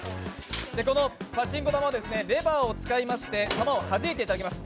このパチンコ玉はレバーを使いまして玉をはじいていただきます。